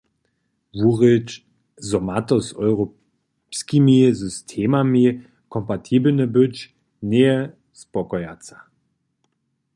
Wurěč, zo ma to z europskimi systemami kompatibelne być, njeje spokojaca.